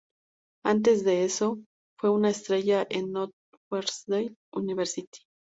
Antes de eso, fue una estrella en Northwestern University.